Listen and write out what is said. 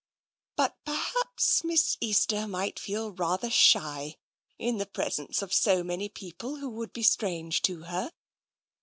" But perhaps Miss Easter might feel rather shy in the presence of so many people who would be strange to her.